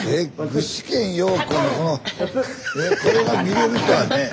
具志堅用高のこのねこれが見れるとはねえ。